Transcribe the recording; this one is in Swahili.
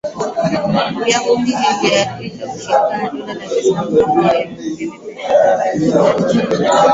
Pia kundi liliahidi ushirika na dola ya Kiislamu mwaka mwaka elfu mbili na kumi na tisa